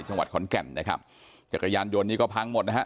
จังหวัดขอนแก่นนะครับจักรยานยนต์นี้ก็พังหมดนะฮะ